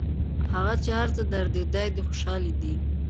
هغه چي هر څه دردېدی دی خوشحالېدی